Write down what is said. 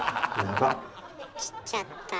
切っちゃった。